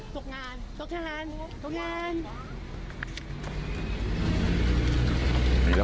ตกงานละตกงานตกงานตกงาน